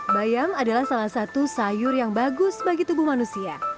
bayam adalah salah satu sayur yang bagus bagi tubuh manusia